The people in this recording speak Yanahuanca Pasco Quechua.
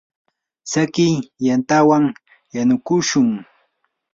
tsakiy yantawan yanukushun.